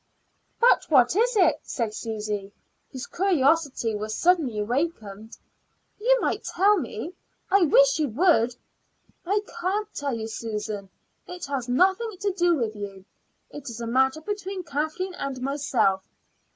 "But what is it?" said Susy, whose curiosity was suddenly awakened. "You might tell me. I wish you would." "I can't tell you, Susan; it has nothing to do with you. It is a matter between Kathleen and myself.